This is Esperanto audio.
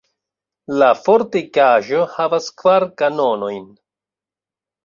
La fortikaĵo havas kvar kanonojn.